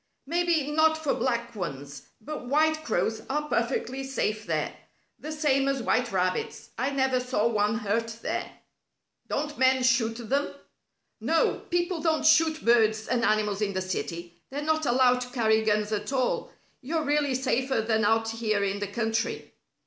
"Maybe not for black ones, but white crows are perfectly safe there, the same as white rabbits. I never saw one hurt there." "Don't men shoot them?" "No. People don't shoot birds and animals in the city. They're not allowed to carry guns at all. You're really safer than out here in the country."